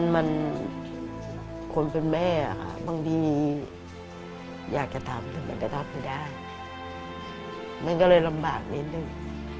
มันคนเป็นแม่ค่ะบางทีอยากจะทำมันจะทำไม่ได้มันก็เลยลำบากนิดนึง